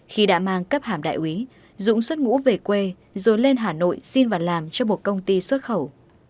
khi đã mang cấp hàm đại úy dũng xuất ngũ về quê rồi lên hà nội xin và làm cho một công ty xuất khẩu